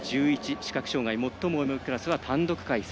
視覚障がい最も重いクラスは単独開催。